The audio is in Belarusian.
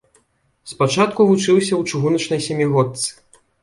Спачатку вучыўся ў чыгуначнай сямігодцы.